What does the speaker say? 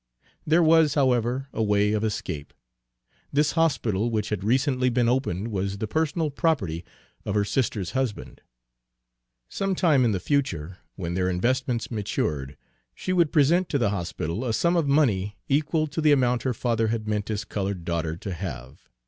There was, however, a way of escape. This hospital which had recently been opened was the personal property of her sister's husband. Some time in the future, when their investments matured, she would present to the hospital a sum of money equal to the amount her father had meant his colored daughter to have.